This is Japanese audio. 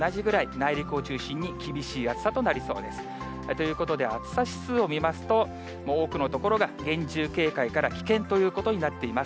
内陸を中心に、厳しい暑さとなりそうです。ということで、暑さ指数を見ますと、多くの所が厳重警戒から危険ということになっています。